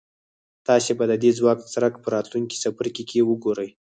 تاسې به د دې ځواک څرک په راتلونکي څپرکي کې وګورئ.